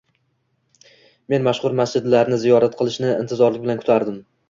Men mashhur masjidlarni ziyorat qilishni intizorlik bilan kutardim.